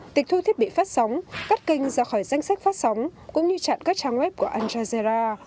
tịch thu thiết bị phát sóng cắt kênh ra khỏi danh sách phát sóng cũng như chặn các trang web của al jazeera